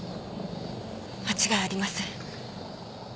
間違いありません。